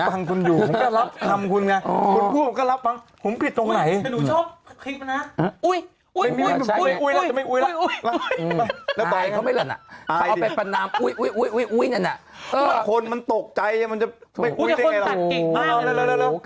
เพื่อคนตัดกิ่งมาก